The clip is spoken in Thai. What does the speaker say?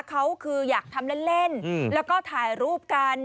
เขาคืออยากทำเล่นแล้วก็ถ่ายรูปกัน